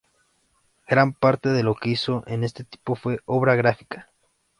Gran parte de lo que hizo en este tiempo fue obra gráfica.